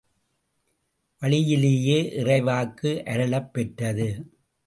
வழியிலேயே, இறைவாக்கு அருளப் பெற்றது.